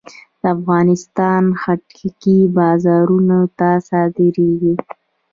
د افغانستان خټکی بازارونو ته صادرېږي.